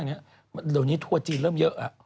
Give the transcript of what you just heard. เดี๋ยวนี้ทัวร์จีนเริ่มเยอะแล้ว